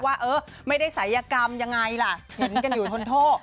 ว่าเออไม่ได้ศัยกรรมยังไงล่ะเห็นกันอยู่ทนโทษ